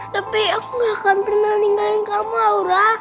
tapi aku gak akan pernah meninggalin kamu aura